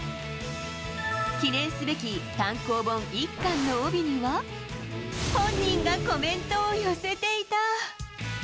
記念すべき単行本１巻の帯には、本人がコメントを寄せていた。